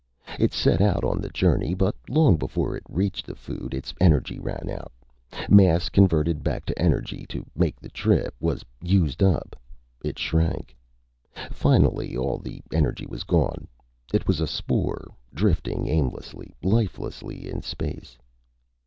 It set out on the journey, but long before it reached the food, its energy ran out. Mass, converted back to energy to make the trip, was used up. It shrank. Finally, all the energy was gone. It was a spore, drifting aimlessly, lifelessly, in space.